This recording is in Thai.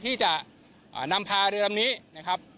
ที่จะนำพาเรือลำนี้นะครับ